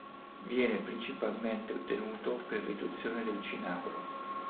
Viene principalmente ottenuto per riduzione del cinabro.